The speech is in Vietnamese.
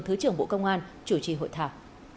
thứ trưởng bộ công an chủ trì hội thảo